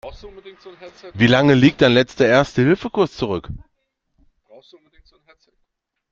Wie lang liegt dein letzter Erste-Hilfe-Kurs zurück?